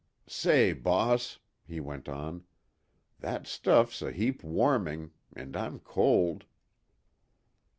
"Say, boss," he went on, "that stuff's a heap warming an' I'm cold."